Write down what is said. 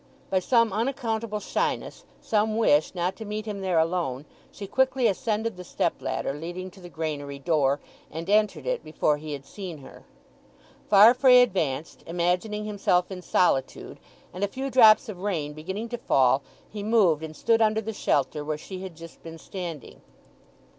By some unaccountable shyness, some wish not to meet him there alone, she quickly ascended the step ladder leading to the granary door, and entered it before he had seen her. Farfrae advanced, imagining himself in solitude, and a few drops of rain beginning to fall he moved and stood under the shelter where she had just been standing.